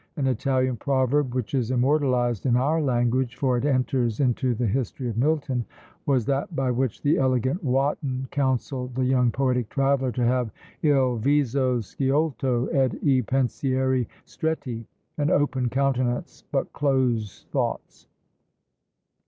An Italian proverb, which is immortalised in our language, for it enters into the history of Milton, was that by which the elegant Wotton counselled the young poetic traveller to have Il viso sciolto, ed i pensieri stretti, "An open countenance, but close thoughts."